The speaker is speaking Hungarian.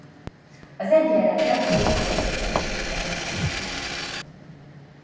Az egyenletet kétféleképpen is értelmezhetjük.